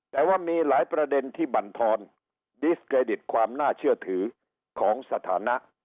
แต่ว่ามีหลายประเด็นที่บรรทอนดิสเครดิตความน่าเชื่อถือของสถานะ